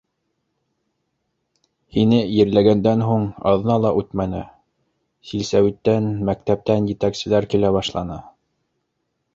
Һине ерләгәндән һуң аҙна ла үтмәне, силсәвиттән, мәктәптән етәкселәр килә башланы.